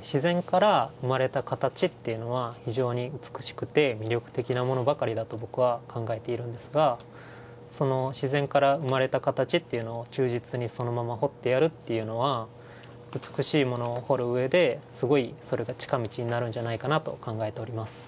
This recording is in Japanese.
自然から生まれた形というのは非常に美しくて魅力的なものばかりだと僕は考えているんですがその自然から生まれた形というのを忠実にそのまま彫ってやるというのは美しいものを彫るうえですごい、それが近道になるんじゃないかなと考えております。